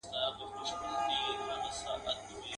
کومه ورځ به وي چي هر غم ته مو شاسي.